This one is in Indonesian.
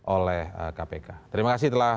oleh kpk terima kasih telah